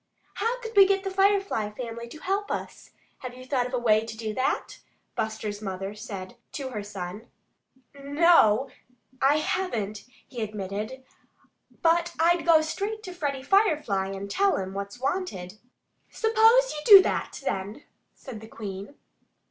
"How could we get the Firefly family to help us? Have you thought of a way to do that?" Buster's mother said to her son. "N no, I haven't," he admitted. "But I'd go straight to Freddie Firefly and tell him what's wanted." "Suppose you do that, then," said the Queen.